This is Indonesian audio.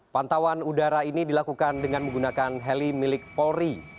pantauan udara ini dilakukan dengan menggunakan heli milik polri